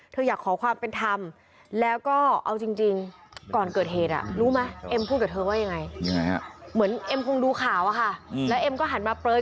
แม่อยากขอความเป็นธรรมแล้วก็เอาจริงก่อนเกิดเหตุอ่ะรู้มั้ย